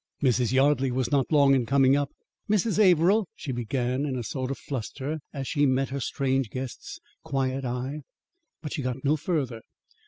Mrs. Yardley was not long in coming up. "Mrs. Averill " she began in a sort of fluster, as she met her strange guest's quiet eye. But she got no further.